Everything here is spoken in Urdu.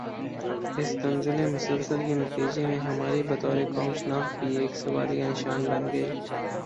اس تنزل مسلسل کے نتیجے میں ہماری بطور قوم شناخت بھی ایک سوالیہ نشان بن گئی